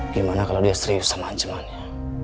gimana kalau dia serius sama ancamannya